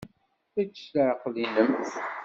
Ečč s leɛqel-nnem.